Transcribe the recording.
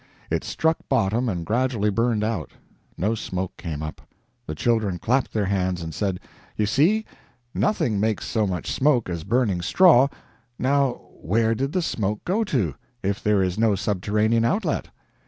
It struck bottom and gradually burned out. No smoke came up. The children clapped their hands and said: "You see! Nothing makes so much smoke as burning straw now where did the smoke go to, if there is no subterranean outlet?"